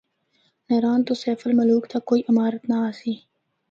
ناران تو سیف الملوک تک کوئی عمارت نہ آسی۔